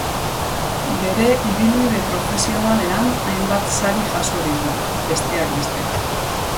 Bere ibilbide profesionalean hainbat sari jaso ditu, besteak beste.